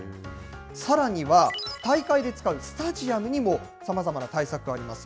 さらには、大会で使うスタジアムにもさまざまな対策があります。